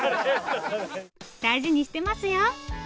大事にしてますよ。